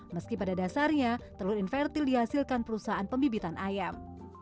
meski pada dasarnya telur invertil dihasilkan perusahaan pembibitan ayam